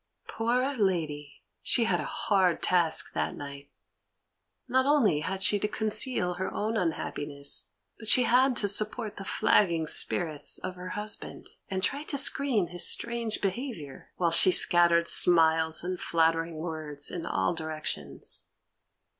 Poor lady, she had a hard task that night. Not only had she to conceal her own unhappiness, but she had to support the flagging spirits of her husband, and try to screen his strange behaviour, while she scattered smiles and flattering words in all directions.